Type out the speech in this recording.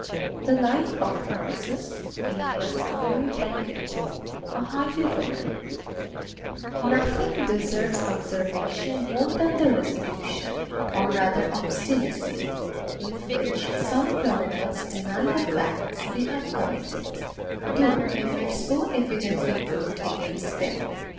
The Life of FRANCES, alias MARY BLACKET, a Highwaywoman Nothing deserves observation more than the resolution, or rather obstinacy, with which some criminals deny the facts they have committed, though ever so evidently proved against them.